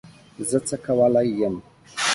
زه څه کولای یم